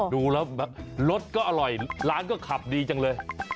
ดูแล้วแบบรสก็อร่อยร้านก็ขับดีจังเลย